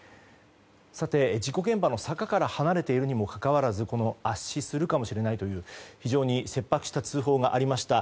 事故現場の坂から離れているにもかかわらず圧死するかもしれないという非常に切迫した通報がありました。